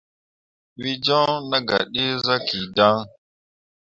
Wǝ joŋ nah gah dǝ zaki dan.